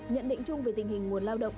nhận định chung về tình hình nguồn lao động